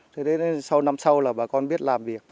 thế sau năm sau là bà con biết làm việc